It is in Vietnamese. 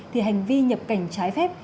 thì hành vi nhập cảnh trái phép